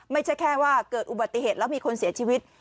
ไม่ใช่แค่ว่าเกิดอุบัติเหตุแล้วมีคนเสียชีวิต